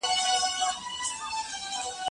که وخت وي، اوبه پاکوم!؟